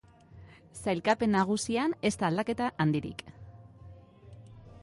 Sailkapen nagusian ez da aldaketa handirik.